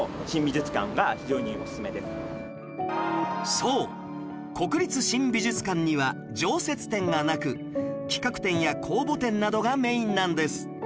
そう国立新美術館には常設展がなく企画展や公募展などがメインなんです